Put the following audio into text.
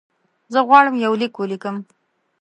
زه غواړم یو لیک ولیکم.